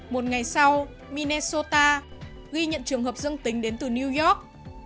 một ngày sau minnesota ghi nhận trường hợp dương tính đến từ new york